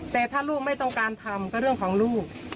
แต่ถ้าลูกไม่ต้องการทำก็เรื่องของลูก